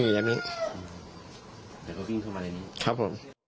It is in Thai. เดี๋ยวเขาวิ่งเข้ามาในนี้ครับผม